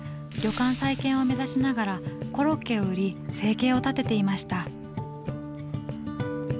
旅館再建を目指しながらコロッケを売り生計を立てていました。